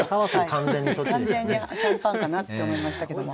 完全にシャンパンかなって思いましたけども。